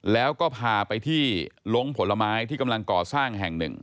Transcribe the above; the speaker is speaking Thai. แล้วก็พาไปที่ลงผลไม้ที่กำลังก่อสร้างแห่งหนึ่ง